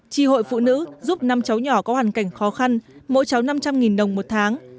tri hội phụ nữ giúp năm cháu nhỏ có hoàn cảnh khó khăn mỗi cháu năm trăm linh đồng một tháng